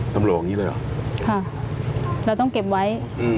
ตำรวจอย่างนี้เลยเหรอค่ะเราต้องเก็บไว้